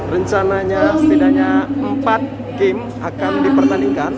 rencananya setidaknya empat game akan dipertandingkan